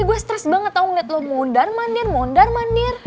gue stres banget tau ngeliat lo mondar mandir mondar mandir